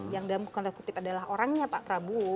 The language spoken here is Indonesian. yang dalam tanda kutip adalah orangnya pak prabowo